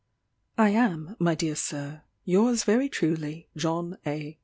"I am, my dear Sir, Yours very truly, JOHN A.